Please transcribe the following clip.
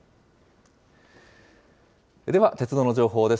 では、鉄道の情報です。